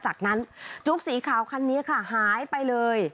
จากนั้นจุ๊กสีขาวคันนี้ค่ะหายไปเลย